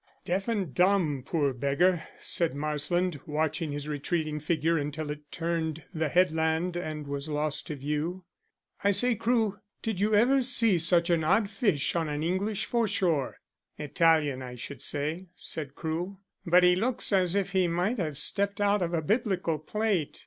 "Deaf and dumb, poor beggar!" said Marsland, watching his retreating figure until it turned the headland and was lost to view. "I say, Crewe, did you ever see such an odd fish on an English foreshore?" "Italian, I should say," said Crewe. "But he looks as if he might have stepped out of a Biblical plate.